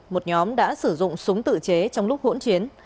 một nhóm đã sử dụng súng tự chế trong lúc hỗn chiến